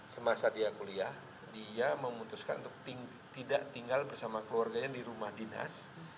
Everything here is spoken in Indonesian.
semasa dia kuliah dia memutuskan untuk tidak tinggal bersama keluarganya di rumah dinas